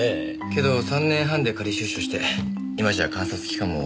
けど３年半で仮出所して今じゃ観察期間も終わってます。